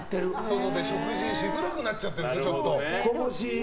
外で食事しづらくなっちゃってるんですね。